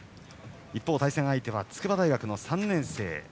一方、対戦相手は筑波大学の３年生。